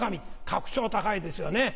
格調高いですよね。